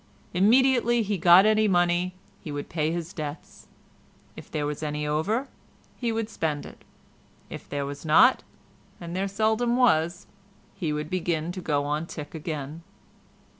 Immediately he got any money he would pay his debts; if there was any over he would spend it; if there was not—and there seldom was—he would begin to go on tick again.